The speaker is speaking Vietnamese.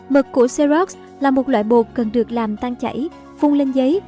mực của xerox là một loại bột cần được làm tan chảy phun lên giấy